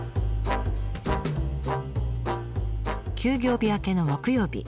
休業日明けの木曜日。